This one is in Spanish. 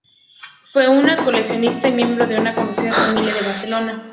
Fue una coleccionista y miembro de una conocida familia de Barcelona.